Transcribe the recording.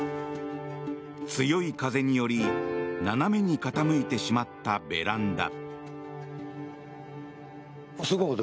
強い風により斜めに傾いてしまったベランダ。